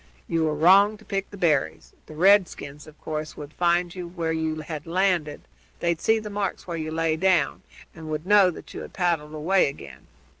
"You were wrong to pick the berries. The redskins, of course, would find where you had landed, they'd see the marks where you lay down, and would know that you had paddled away again.